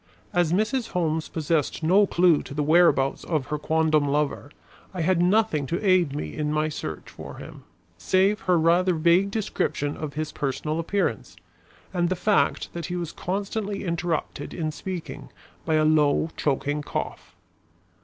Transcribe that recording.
As Mrs. Holmes possessed no clue to the whereabouts of her quondam lover, I had nothing to aid me in my search for him, save her rather vague description of his personal appearance and the fact that he was constantly interrupted in speaking by a low, choking cough.